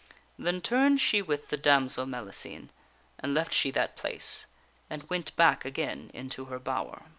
Then turned she with the damsel Mellicene, and left she that place and went back again into her bower.